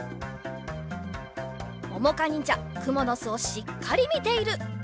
ももかにんじゃくものすをしっかりみている。